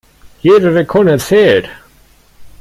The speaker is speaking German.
Jede Sekunde zählt.